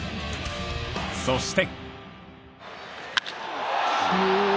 そして。